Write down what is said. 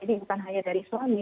bukan hanya dari suami